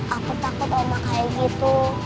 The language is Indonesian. aku takut sama kayak gitu